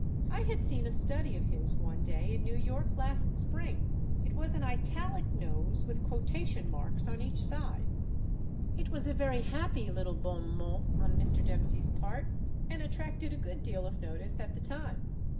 I had seen a study of his one day in New York last spring. It was an italic nose with quotation marks on each side. It was a very happy little bon mot on Mr. Dempsey's part, and attracted a good deal of notice at the time. Mr.